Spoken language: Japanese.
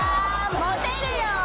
モテるよ！